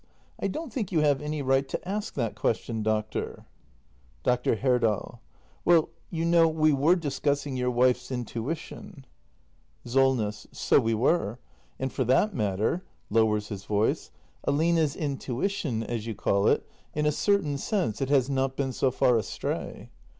I don't think you have any right to ask that question, doctor. Dr. Herdal. Well, you know, we were discussing your wife's intui tion. 274 THE MASTER BUILDER [act i SOLNESS. So we were. And for that matter — [lowers his voice] — Aline's intuition, as you call it — in a certain sense, it has not been so far astray.